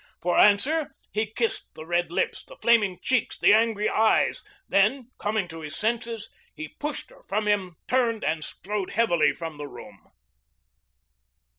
For answer he kissed the red lips, the flaming cheeks, the angry eyes. Then, coming to his senses, he pushed her from him, turned, and strode heavily from the room.